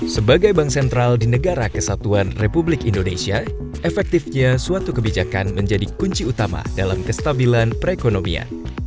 sebagai bank sentral di negara kesatuan republik indonesia efektifnya suatu kebijakan menjadi kunci utama dalam kestabilan perekonomian